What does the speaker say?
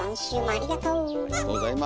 ありがとうございます。